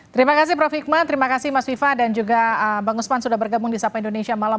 terima kasih prof hikman terima kasih mas viva dan juga bang usman sudah bergabung di sapa indonesia malam